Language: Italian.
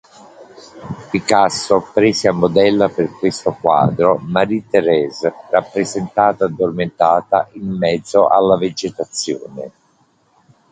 Picasso prese a modella per questo quadro Marie-Thérèse, rappresentata addormentata in mezzo alla vegetazione.